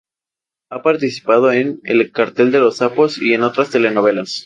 Ha participado en "El cartel de los sapos" y en otras telenovelas.